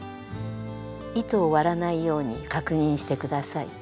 糸を割らないように確認して下さい。